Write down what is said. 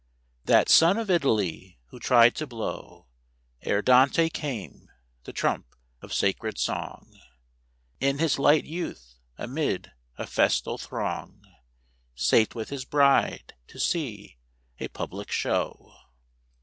_ That son of Italy who tried to blow, Ere Dante came, the trump of sacred song, In his light youth amid a festal throng Sate with his bride to see a public show.